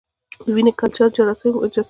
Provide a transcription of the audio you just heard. د وینې کلچر جراثیم ښيي.